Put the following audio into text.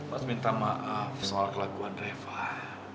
mas minta maaf soal kelakuan refah